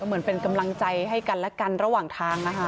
เหมือนเป็นกำลังใจให้กันและกันระหว่างทางนะคะ